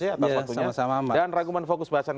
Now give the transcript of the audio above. sama sama ambas dan raguman fokus bahasan